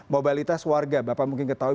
mobilitas warga bapak mungkin ketahui